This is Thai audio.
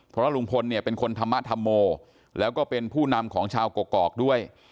เพราะลุงพลเนี่ยเป็นคนธรรมธรรโมแล้วก็เป็นผู้นำของชาวกกอกด้วย